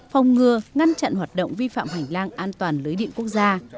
phòng ngừa ngăn chặn hoạt động vi phạm hành lang an toàn lưới điện quốc gia